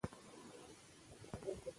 مهارت زده کول ګټور دي.